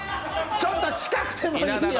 ちょっと近くてもいいよ。